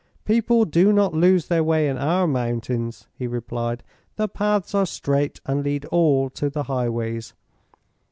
"People do not lose their way in our mountains," he replied. "The paths are straight, and lead all to the highways.